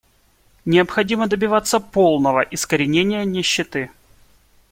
Необходимо добиваться полного искоренения нищеты.